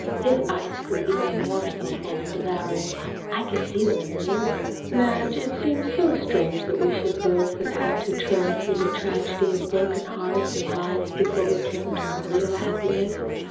His eyes grew even more soulful and devouring. I could see them in the mirror. "Madge, it seems so strange that we should both have had to trail through the tragedy of broken hearts and lives before we came to our real happiness.